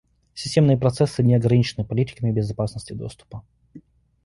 Системные процессы не ограничены политиками безопасности доступа